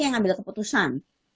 yang ambil keputusan